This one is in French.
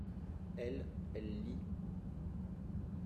elle, elle lit.